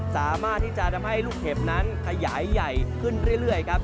สามารถที่จะทำให้ลูกเห็บนั้นขยายใหญ่ขึ้นเรื่อยครับ